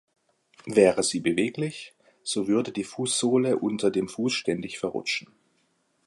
Wäre sie beweglich, so würde die Fußsohle unter dem Fuß ständig verrutschen.